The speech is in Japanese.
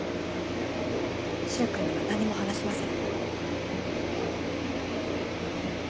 柊君には何も話しません